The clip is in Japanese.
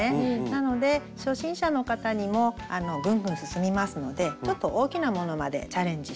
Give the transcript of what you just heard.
なので初心者の方にもぐんぐん進みますのでちょっと大きなものまでチャレンジして頂けます。